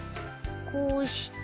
こうして。